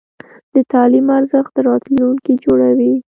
د تعلیم ارزښت د راتلونکي جوړوي.